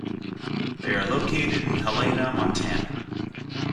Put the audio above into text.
They are located in Helena, Montana.